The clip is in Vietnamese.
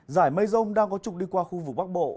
giải mây rông đang có trục đi qua khu vực bắc bộ